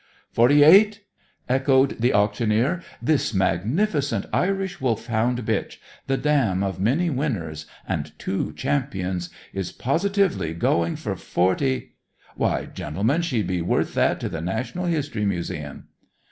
"Forty eight!" echoed the auctioneer. "This magnificent Irish Wolfhound bitch, the dam of many winners and two champions, is positively going for forty Why, gentlemen, she'd be worth that to the Natural History Museum!"